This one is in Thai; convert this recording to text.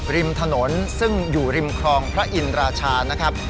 ริมถนนซึ่งอยู่ริมครองพระอินราชานะครับ